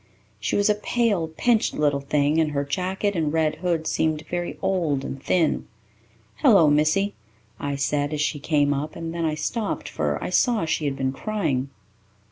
She was a pale, pinched little thing, and her jacket and red hood seemed very old and thin. "Hello, missy," I said, as she came up, and then I stopped, for I saw she had been crying.